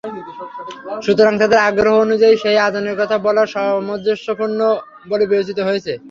সুতরাং তাদের আগ্রহ অনুযায়ী সেই আযাবের কথা বলাই সামঞ্জস্যপূর্ণ বলে বিবেচিত হয়েছে।